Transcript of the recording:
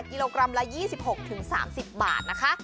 กิโลกรัมละ๒๖๓๐บาทนะคะ